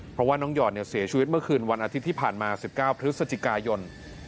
เพราะว่าน้องหยอดเสียชีวิตเมื่อคืนวันอาทิตย์ที่ผ่านมา๑๙พฤศจิกายน